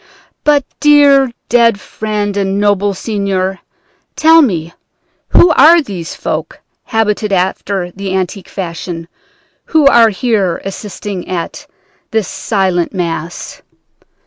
But, dear dead friend and noble seigneur, tell me, who are these folk, habited after the antique fashion, who are here assisting at this silent Mass?'